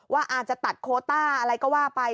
ว่าอาจจะตัดโคต้าอะไรก็ว่าไป